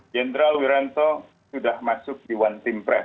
jenderal wiranto sudah masuk di one team press